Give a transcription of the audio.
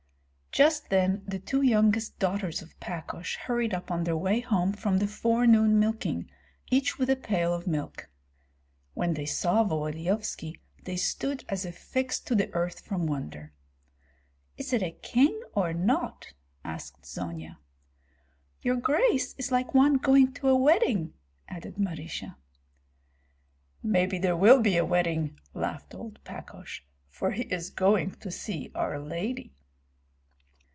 Just then the two youngest daughters of Pakosh hurried up on their way home from the forenoon milking, each with a pail of milk. When they saw Volodyovski they stood as if fixed to the earth from wonder. "Is it a king or not?" asked Zonia. "Your grace is like one going to a wedding," added Marysia. "Maybe there will be a wedding," laughed old Pakosh, "for he is going to see our lady."